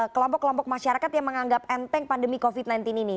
kelompok kelompok masyarakat yang menganggap enteng pandemi covid sembilan belas ini